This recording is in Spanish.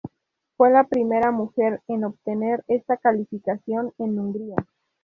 Fue la primera mujer en obtener esta cualificación en Hungría.